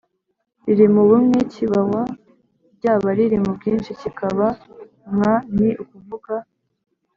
riri mu bumwe kiba wa, ryaba riri mu bwinshi kikaba mwa. Ni ukuvuga